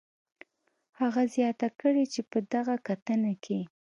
هغه زیاته کړې چې په دغه کتنه کې